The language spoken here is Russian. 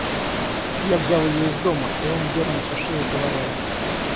Я взял ее из дома, — и он дернулся шеей, говоря это.